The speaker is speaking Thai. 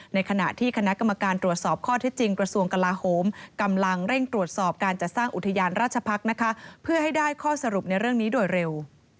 ในขณะที่คณะกรรมการตรวจสอบข้อที่จริงกระทรวงกลาโฮมกำลังเร่งตรวจสอบการจัดสร้างอุทยานราชพักษ์นะคะเพื่อให้ได้ข้อสรุปในเรื่องนี้โดยเร็ว